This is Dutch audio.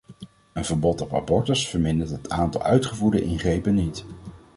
Een verbod op abortus vermindert het aantal uitgevoerde ingrepen niet.